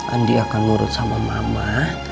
andi akan nurut sama mama